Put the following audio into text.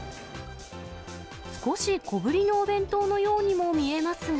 少し小ぶりのお弁当のようにも見えますが。